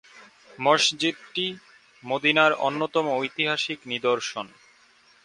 মসজিদটি মদীনার অন্যতম ঐতিহাসিক নিদর্শন।